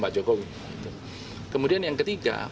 pak jokowi kemudian yang ketiga